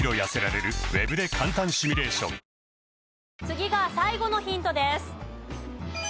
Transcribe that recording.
次が最後のヒントです。